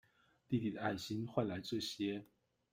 弟弟的愛心換來這些